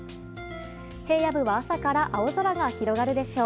平野部は朝から青空が広がるでしょう。